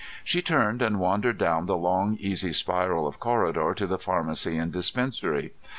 She turned and wandered down the long easy spiral of corridor to the pharmacy and dispensary.